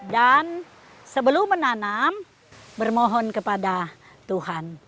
dan sebelum menanam bermohon kepada tuhan